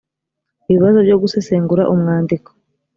ibibazo byo gusesengura umwandiko